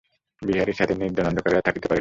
বিহারী ছাদের নির্জন অন্ধকারে আর থাকিতে পারিল না।